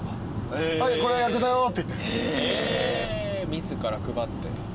自ら配って。